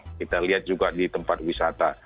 kita lihat juga di tempat wisata